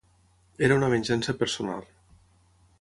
Era una venjança personal.